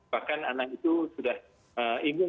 bahkan anak itu sudah ingin